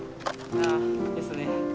あですね。